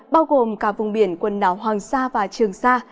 bao gồm cả vùng biển quần đảo hoàng sa và trường sa